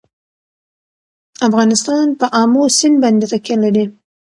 افغانستان په آمو سیند باندې تکیه لري.